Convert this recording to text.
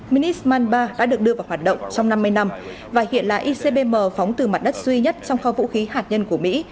minisman ba đã được đưa vào hoạt động trong năm mươi năm và hiện là icbm phóng từ mặt đất duy nhất trong kho vũ khí hạt nhân của mỹ